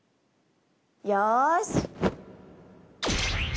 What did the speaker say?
よし！